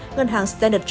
ngân hàng standard tracted